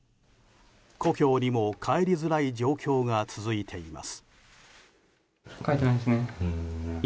故郷にも帰りづらい状況が続いています。